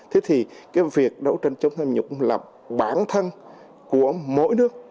thế thì cái việc đấu tranh chống tham nhũng là bản thân của mỗi nước